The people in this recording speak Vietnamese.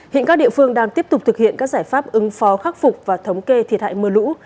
hiện các địa phương đang tiếp tục thực hiện các giải pháp ứng phó khắc phục và thống kê thiệt hại mưa lũ